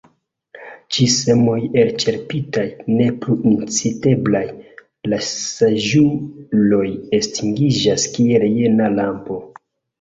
Ĉi semoj elĉerpitaj, ne plu inciteblaj, la saĝuloj estingiĝas kiel jena lampo.